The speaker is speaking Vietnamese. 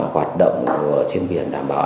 hoạt động trên biển đảm bảo